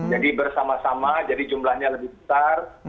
jadi bersama sama jadi jumlahnya lebih besar